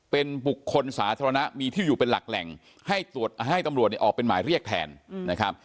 เป็นบุคคลสาธารณะมีที่อยู่เป็นหลักแหล่งให้ตำรวจเนี่ยออกเป็นหมายเรียกแทนนะครับ